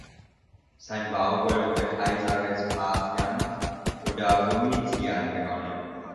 Sein Bau wurde unter Kaiser Vespasian oder Domitian begonnen.